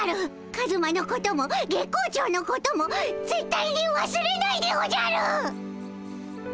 カズマのことも月光町のこともぜっ対にわすれないでおじゃる！